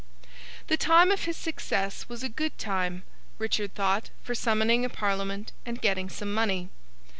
The time of his success was a good time, Richard thought, for summoning a Parliament and getting some money.